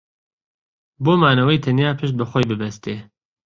بۆ مانەوەی تەنیا پشت بە خۆی ببەستێ